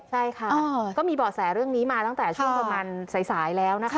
ใช่ค่ะก็มีเบาะแสเรื่องนี้มาตั้งแต่ช่วงประมาณสายแล้วนะคะ